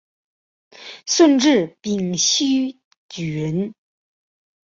顺治丙戌举人。